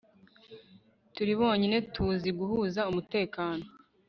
turi bonyine tuzi guhuza umutekano